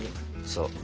そう。